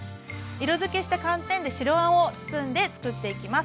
色づけした寒天で白あんを包んでつくっていきます。